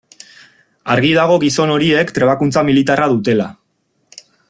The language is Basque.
Argi dago gizon horiek trebakuntza militarra dutela.